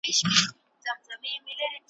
او یوازي د ښکلیو کلماتو او ترکیبونو یو لاړ وي ,